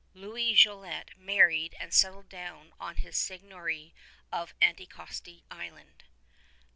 Louis Jolliet married and settled down on his seigniory of Anticosti Island.